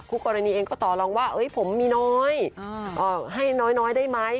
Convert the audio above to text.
กรณีเองก็ต่อรองว่าผมมีน้อยให้น้อยได้ไหม